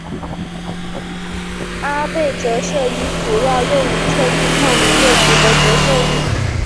阿贝折射仪主要用于测定透明液体的折射率。